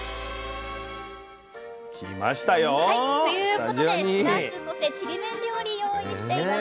はいということでしらすそしてちりめん料理用意しています。